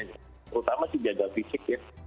terutama sih jaga fisik ya